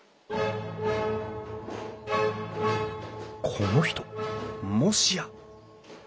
この人もしや！